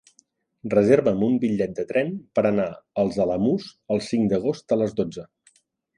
Reserva'm un bitllet de tren per anar als Alamús el cinc d'agost a les dotze.